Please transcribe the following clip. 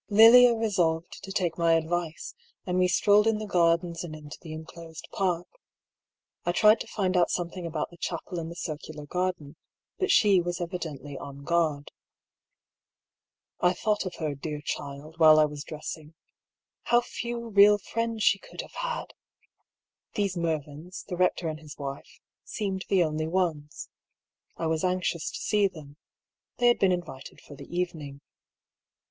Lilia resolved to take my advice, and we strolled in the gardens and into the enclosed park. I tried to find out something about the chapel in the circular garden, but she was evidently on guard. I thought of her, dear child, while I was dressing. How few real friends she could have had ! These Mer vyns, the rector and his wife, seemed the only ones. I was anxious to see them. They had been invited for the evening.